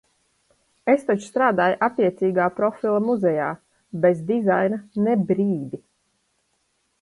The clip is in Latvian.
Es taču strādāju attiecīgā profila muzejā! Bez dizaina ne brīdi!